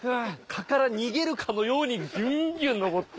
蚊から逃げるかのようにギュンギュン登って。